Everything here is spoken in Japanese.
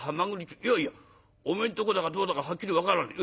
いやいやおめえんとこだかどうだかはっきり分からねえ。